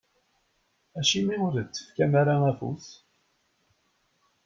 Acimi ur d-tefkam ara afus?